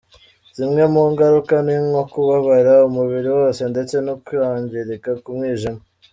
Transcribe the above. Zimwe mu ngaruka ni nko kubabara umubiri wose ndetse no kwangirika k’umwijima.